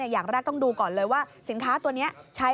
อย่างแรกต้องดูก่อนเลยว่าสินค้าตัวนี้ใช้